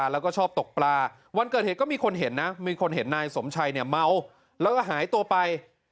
แล้วก็หายตัวไป